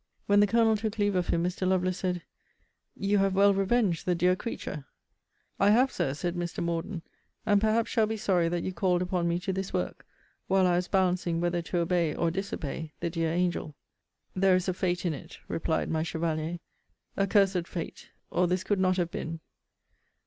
When the Colonel took leave of him, Mr. Lovelace said, You have well revenged the dear creature. I have, Sir, said Mr. Morden; and perhaps shall be sorry that you called upon me to this work, while I was balancing whether to obey, or disobey, the dear angel. There is a fate in it! replied my chevalier a cursed fate! or this could not have been!